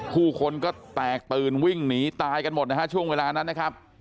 ผู้คนก็แตกตื่นวิ่งหนีตายกันหมดนะฮะช่วงเวลานั้นนะครับ